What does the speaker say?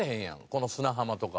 この砂浜とか。